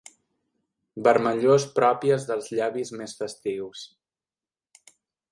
Vermellors pròpies dels llavis més festius.